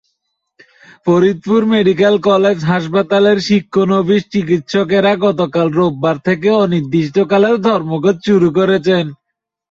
Faridpur medical college হাসপাতালের শিক্ষানবিশ চিকিৎসকেরা গতকাল রোববার থেকে অনির্দিষ্টকালের ধর্মঘট শুরু করেছেন।